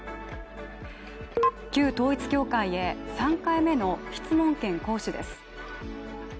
旧統一教会へ３回目の質問権行使です。